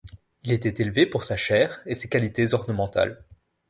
Il était élevé pour sa chair et ses qualités ornementales.